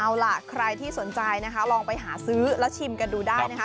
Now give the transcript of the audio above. เอาล่ะใครที่สนใจนะคะลองไปหาซื้อและชิมกันดูได้นะคะ